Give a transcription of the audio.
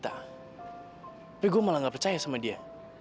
tapi gue malah gak percaya sama dia